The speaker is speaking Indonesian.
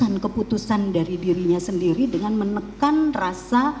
dan keputusan dari dirinya sendiri dengan menekan rasa